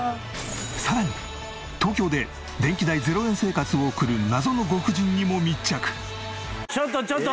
さらに東京で電気代０円生活を送る謎のご婦人にも密着。